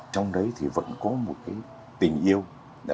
trong đấy thì vẫn có một cái tình ca đỏ